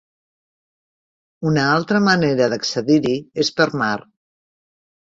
Una altra manera d'accedir-hi és per mar.